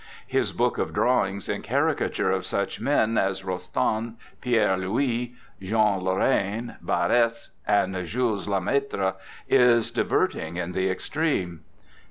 His book of drawings in caricature of such men as Rostand, Pierre Louy, Jean Lorrain, Barres and Jules Lemaitre, is diverting in the extreme.